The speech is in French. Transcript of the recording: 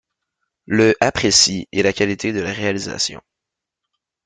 Le apprécie et la qualité de la réalisation.